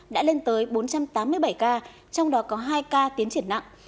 đã lên tới bốn trăm tám mươi bảy ca trong đó có hai ca tiến triển nặng